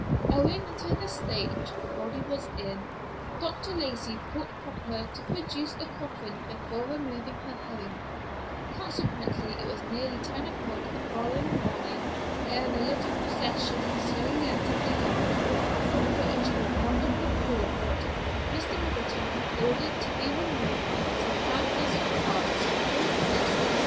Owing to the state which the body was in, Dr. Lacey thought proper to produce a coffin before removing her home; consequently it was nearly ten o'clock the following morning ere the little procession slowly entered the yard, from which, with wonderful forethought, Mr. Middleton had ordered to be removed some half dozen carts, corn cribs, etc.